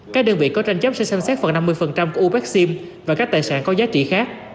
các đơn vị có tranh chấp sẽ xem xét phần năm mươi của uec sim và các tài sản có giá trị khác